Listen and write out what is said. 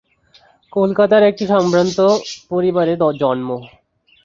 কলকাতার এক সম্ভ্রান্ত পরিবারে জন্ম।